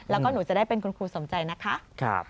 แล้วก็หนูจะได้เป็นคุณครูสมใจนะคะ